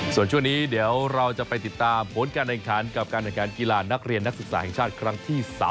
ส่วนช่วงนี้เดี๋ยวเราจะไปติดตามผลการแข่งขันกับการแข่งขันกีฬานักเรียนนักศึกษาแห่งชาติครั้งที่๓